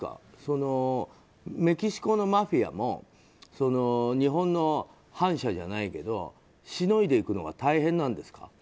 メキシコのマフィアも日本の反社じゃないけどしのいでいくのは大変なんですか？